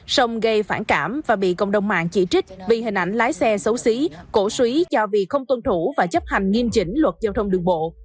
xong gây phản cảm và bị cộng đồng mạng chỉ trích vì hình ảnh lái xe xấu xí cổ suý do việc không tuân thủ và chấp hành nghiêm chỉnh luật giao thông đường bộ